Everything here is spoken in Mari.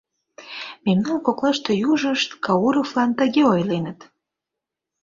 Мемнан коклаште южышт Кауровлан тыге ойленыт: